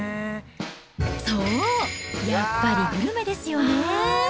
そう、やっぱりグルメですよね。